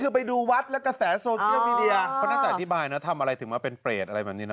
คือไปดูวัดและกระแสโซเชียลมีเดียเขาน่าจะอธิบายนะทำอะไรถึงมาเป็นเปรตอะไรแบบนี้นะ